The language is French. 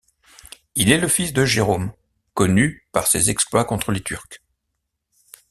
Il est le fils de Jérôme, connu par ses exploits contre les Turcs.